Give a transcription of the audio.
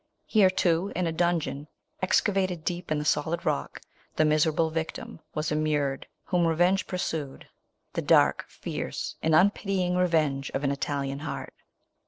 Here, too, in a dungeon, exca vated deep in the solid rock, the mi serable victim was immured, whom revenge pursued, — the dark, fierce, and uupitying revenge of an Italian heart.